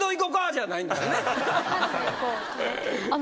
じゃないんですね。